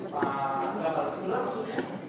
pak nggak berhasil langsung ya